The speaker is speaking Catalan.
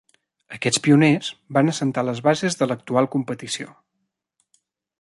Aquests pioners van assentar les bases de l'actual competició.